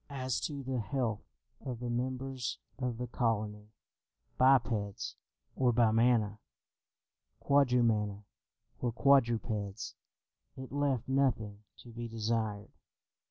As to the health of the members of the colony, bipeds or bimana, quadrumana or quadrupeds, it left nothing to be desired.